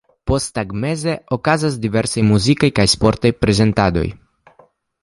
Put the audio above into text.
Posttagmeze okazas diversaj muzikaj kaj sportaj prezentadoj.